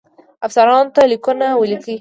افسرانو ته لیکونه ولیکي.